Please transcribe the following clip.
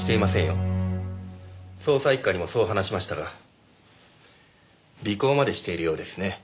捜査一課にもそう話しましたが尾行までしているようですね。